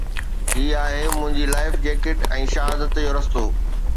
هي آهي منهنجي life jacket ۽ شهادت جو رستو